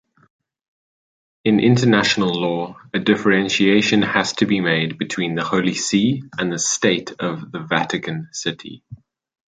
In international law, a differentiation has to be made between the Holy See and the state of the Vatican City.